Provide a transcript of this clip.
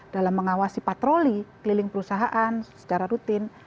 dalam mengawasi patroli keliling perusahaan secara rutin